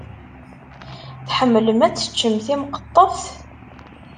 Tḥemmlem ad teččem timqeṭṭeft?